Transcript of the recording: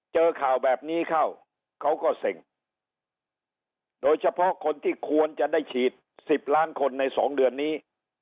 เจอข่าวแบบนี้เข้าเขาก็เซ็งโดยเฉพาะคนที่ควรจะได้ฉีด๑๐ล้านคนในสองเดือนนี้